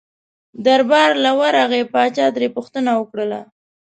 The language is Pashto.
دربار له ورغی پاچا ترې پوښتنه وکړله.